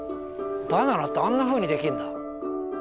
バナナってあんなふうにできるんだ。